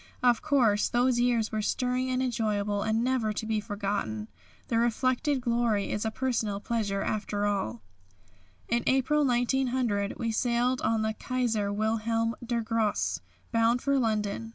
Of course, those years were stirring and enjoyable, and never to be forgotten. The reflected glory is a personal pleasure after all. In April, 1900, we sailed on the "Kaiser Wilhelm der Grosse" bound for London.